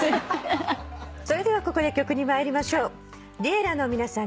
それではここで曲に参りましょう。